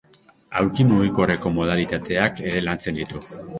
Aulki mugikorreko modalitateak ere lantzen ditu.